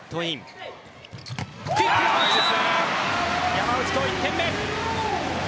山内、今日１点目。